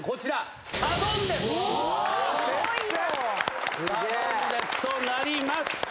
サドンデスとなります。